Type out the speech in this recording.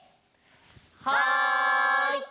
はい！